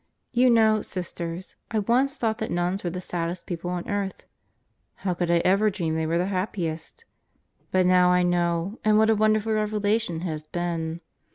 You know, Sisters, I once thought that nuns were the saddest people on earth. (How could I ever dream they were the happiest?) But now I know and what a wonderful revelation it has been.